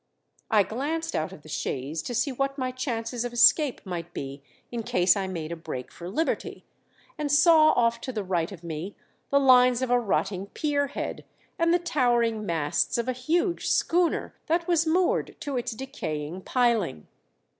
I glanced out of the chaise to see what my chances of escape might be in case I made a break for liberty, and saw off to the right of me the lines of a rotting pierhead, and the towering masts of a huge schooner that was moored to its decaying piling.